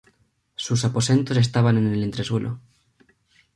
Sus aposentos estaban en el entresuelo.